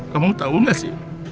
kamu tahu nggak sih